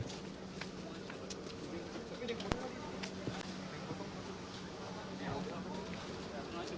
supaya datanya jelas